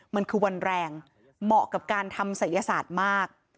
มันคือวันแรงเหมาะกับการทำศัยศาสตร์มาก